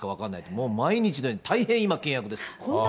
もう毎日のように、大変今、険悪です。